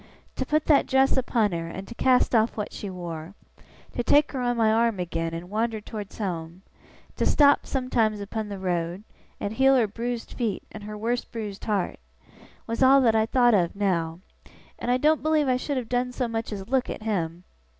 To put that dress upon her, and to cast off what she wore to take her on my arm again, and wander towards home to stop sometimes upon the road, and heal her bruised feet and her worse bruised heart was all that I thowt of now. I doen't believe I should have done so much as look at him.